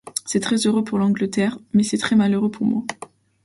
C’est très heureux pour l’Angleterre, mais c’est très malheureux pour moi.